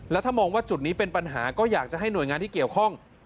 แล้วถ้ามองว่าจุดนี้เป็นปัญหาก็อยากจะให้หน่วยงานที่เกี่ยวข้อง